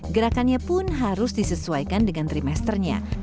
gerakannya pun harus disesuaikan dengan trimesternya